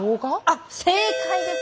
正解です。